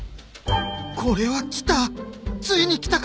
これはきた。